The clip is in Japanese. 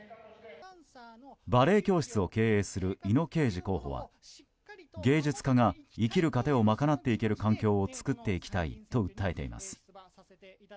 バレエ教室を経営する猪野恵司候補は芸術家が生きる糧を賄っていける環境を作っていきたいと訴えています。